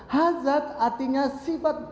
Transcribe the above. hazat artinya sifat